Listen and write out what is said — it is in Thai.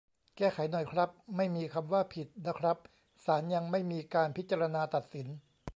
แก้ไขหน่อยครับ ไม่มีคำว่า "ผิด" นะครับ ศาลยังไม่มีการพิจารณาตัดสิน